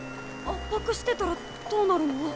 圧迫してたらどうなるの？